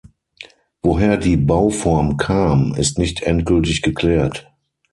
Woher die Bauform kam, ist nicht endgültig geklärt.